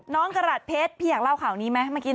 น้องกรรัสเพชรพี่อยากเล่าข่าวนี้ไหม